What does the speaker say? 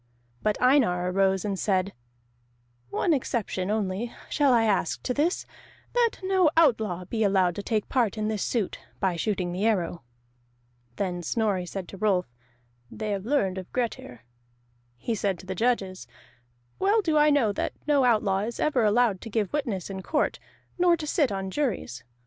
But Einar arose and said: "One exception only shall I ask to this, that no outlaw be allowed to take part in this suit, by shooting the arrow." Then said Snorri to Rolf, "They have learned of Grettir." He said to the judges: "Well do I know that no outlaw is ever allowed to give witness in court, nor to sit on juries.